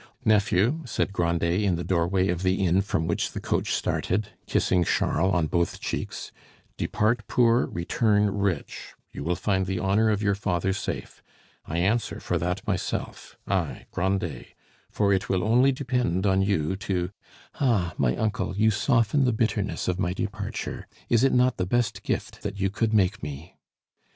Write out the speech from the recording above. "Nephew," said Grandet, in the doorway of the inn from which the coach started, kissing Charles on both cheeks, "depart poor, return rich; you will find the honor of your father safe. I answer for that myself, I Grandet; for it will only depend on you to " "Ah! my uncle, you soften the bitterness of my departure. Is it not the best gift that you could make me?"